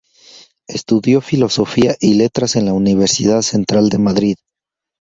Estudió Filosofía y Letras en la Universidad Central de Madrid.